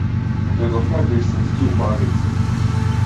Видовме вистински убавици.